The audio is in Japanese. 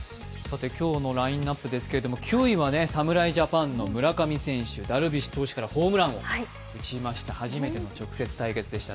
今日のラインナップですけど、９位は村上選手、ダルビッシュ投手からホームランを打ちました。